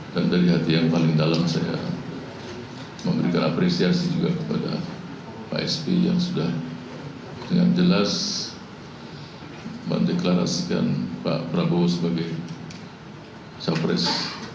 dan dari hati yang paling dalam saya memberikan apresiasi juga kepada pak sp yang sudah dengan jelas mendeklarasikan pak prabowo sebagai sampres dua ribu sembilan belas